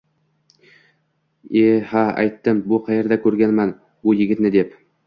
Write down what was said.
E, ha aytdim, bu qaerda ko`rganman bu yigitni deb